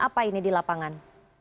apa ini di lapangan